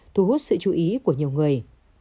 thu hút sự chú ý của nhiều người